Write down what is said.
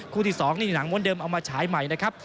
ที่๒นี่หนังม้วนเดิมเอามาฉายใหม่นะครับ